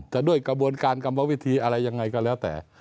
ด้วยกระบวนการกรรมวิธีอะไรยังไงก็แล้วแต่